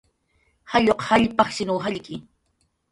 Jalluq jall pajshinw jallki